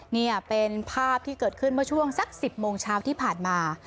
นี่เป็นภาพที่เกิดขึ้นเมื่อช่วงสัก๑๐โมงเช้าที่ผ่านมา